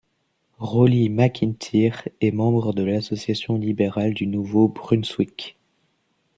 Roly MacIntyre est membre de l'Association libérale du Nouveau-Brunswick.